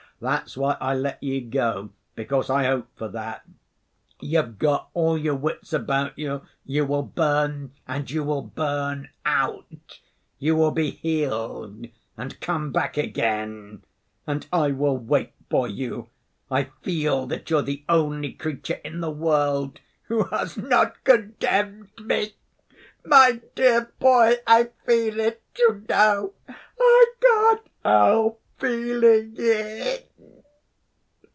That's why I let you go, because I hope for that. You've got all your wits about you. You will burn and you will burn out; you will be healed and come back again. And I will wait for you. I feel that you're the only creature in the world who has not condemned me. My dear boy, I feel it, you know. I can't help feeling it."